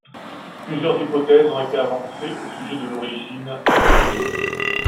Plusieurs hypothèses ont été avancées au sujet de l'origine ce linteau.